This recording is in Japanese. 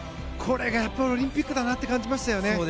これがオリンピックだなって感じましたよね。